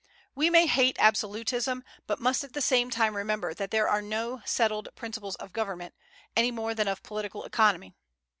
We may hate absolutism, but must at the same time remember that there are no settled principles of government, any more than of political economy.